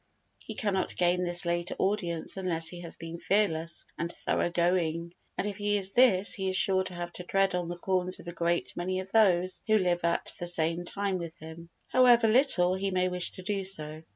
He cannot gain this later audience unless he has been fearless and thorough going, and if he is this he is sure to have to tread on the corns of a great many of those who live at the same time with him, however little he may wish to do so.